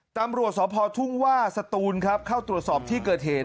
ทัมฤวชสมพอร์ทุ่งว่าสตูนครับเข้าตรวจสอบที่เกิดเผ็ด